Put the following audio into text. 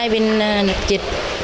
hai bên nhập trịt